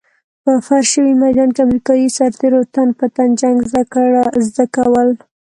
په فرش شوي ميدان کې امريکايي سرتېرو تن په تن جنګ زده کول.